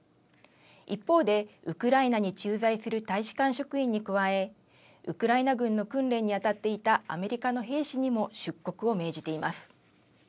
一方で、ウクライナに駐在する大使館職員に加え、ウクライナ軍の訓練に当たっていたアメリカの兵士にも出国を命じています。